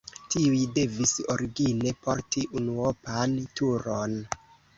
Tiuj devis origine porti unuopan turon.